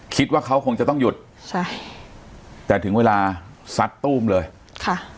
คิดว่าเขาคงจะต้องหยุดใช่แต่ถึงเวลาซัดตู้มเลยค่ะ